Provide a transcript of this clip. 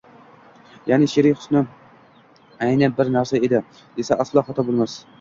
ya’ni she’riy husni ayni bir narsa edi desa aslo xato bo’lmas.